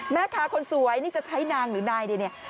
แม่ค้าคนสวยนี่จะใช้นางหรือนายดีเนี่ย